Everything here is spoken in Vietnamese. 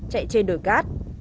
chạy trên đồi cát